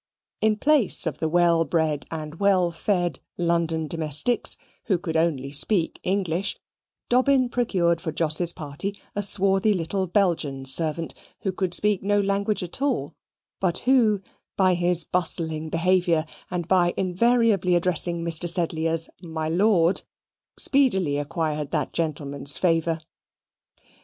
In place of the well bred and well fed London domestics, who could only speak English, Dobbin procured for Jos's party a swarthy little Belgian servant who could speak no language at all; but who, by his bustling behaviour, and by invariably addressing Mr. Sedley as "My lord," speedily acquired that gentleman's favour.